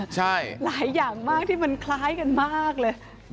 ใช่หลายอย่างมากที่มันคล้ายกันมากเลย